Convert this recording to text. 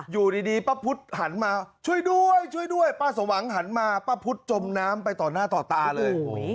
อยู่ดีป้าพุทธหันมาช่วยด้วยช่วยด้วยป้าสมหวังหันมาป้าพุทธจมน้ำไปต่อหน้าต่อตาเลย